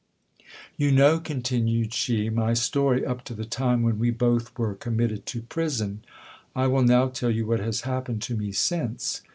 You know, continued she, my story up to the time when we both were com mitted to prison. I will now tell you what has happened to me since.